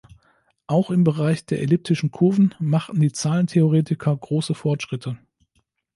Auch im Bereich der elliptischen Kurven machten die Zahlentheoretiker große Fortschritte.